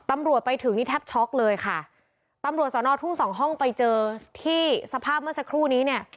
ตำรวจไปถึงนี่แทบช็อกเลยค่ะตำรวจสอนอทุ่งสองห้องไปเจอที่สภาพเมื่อสักครู่นี้เนี่ย